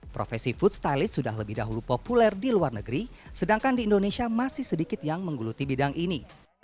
profesi food stylist sudah lebih dahulu populer di luar negeri sedangkan di indonesia masih sedikit yang menggeluti bidang ini